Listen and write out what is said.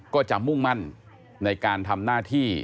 ก็จะมุ่งมั่นในการทำหน้าที่